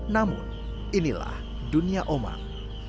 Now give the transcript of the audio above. namun inilah dunia omang